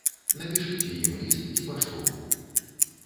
Напішыце ім ліст ці паштоўку!